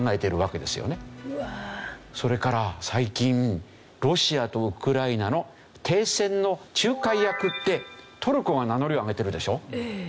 それから最近ロシアとウクライナの停戦の仲介役ってトルコが名乗りを上げてるでしょう。